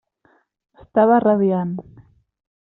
Estava radiant.